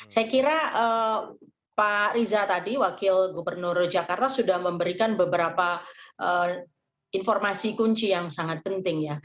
saya kira pak riza tadi wakil gubernur jakarta sudah memberikan beberapa informasi kunci yang sangat penting ya